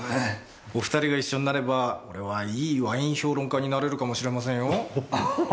お２人が一緒になればこれはいいワイン評論家になれるかもしれませんよ。